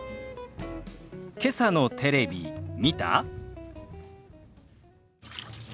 「けさのテレビ見た？」。